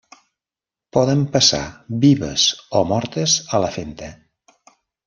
Poden passar vives o mortes a la femta.